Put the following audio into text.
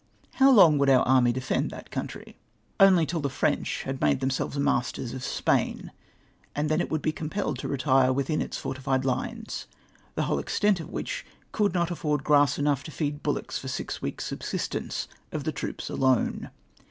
How long would our army defend that country ? Only till the French had made themselves masters of Spain, and then it would be compelled to retire within its fortified lines, the whole extent of which could not afford grass enough to feed bullocks for six weeks' subsistence of the troops alone.